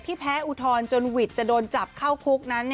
แพ้อุทธรณ์จนหวิดจะโดนจับเข้าคุกนั้น